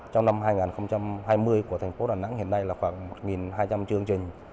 trong năm hai nghìn hai mươi của thành phố đà nẵng hiện nay là khoảng một hai trăm linh chương trình